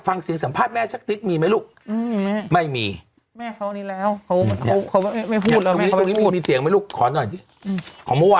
หลังจากนี้เจ้าจะเงินงานต่อไปยังไงครับครับ